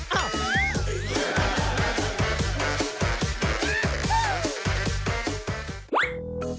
เฮ่ย